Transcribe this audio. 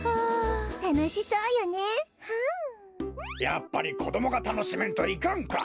やっぱりこどもがたのしめんといかんか。